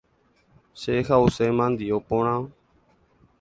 Che ha’use mandio porã.